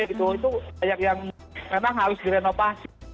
itu banyak yang memang harus direnovasi